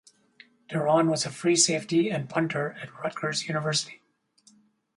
Deron was a free safety and punter at Rutgers University.